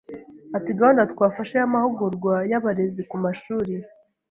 Ati “Gahunda twafashe y’amahugurwa y’abarezi ku mashuri,